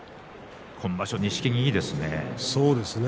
今場所は錦木がいいですね。